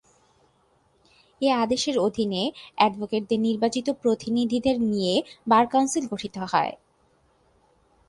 এ আদেশের অধীনে অ্যাডভোকেটদের নির্বাচিত প্রতিনিধিদের নিয়ে বার কাউন্সিল গঠিত হয়।